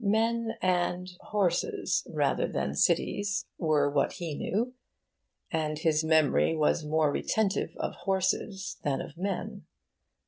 Men and horses rather than cities were what he knew. And his memory was more retentive of horses than of men.